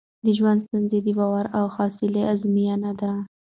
د ژوند ستونزې د باور او حوصله ازموینه ده.